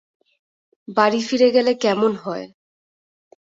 বাড়ি ফিরে গেলে কেমন হয়?